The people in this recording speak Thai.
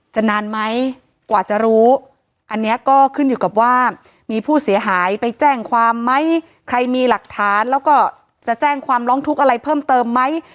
นานไหมกว่าจะรู้อันนี้ก็ขึ้นอยู่กับว่ามีผู้เสียหายไปแจ้งความไหมใครมีหลักฐานแล้วก็จะแจ้งความร้องทุกข์อะไรเพิ่มเติมไหม